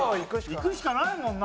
いくしかないもんな。